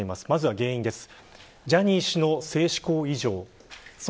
まずは原因です。